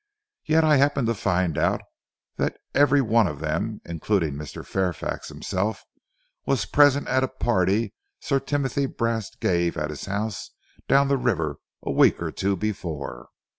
Yet I happened to find out that every one of them, including Mr. Fairfax himself, was present at a party Sir Timothy Brast gave at his house down the river a week or two before."